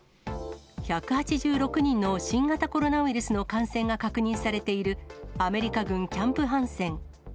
１８６人の新型コロナウイルスの感染が確認されているアメリカ軍キャンプ・ハンセン。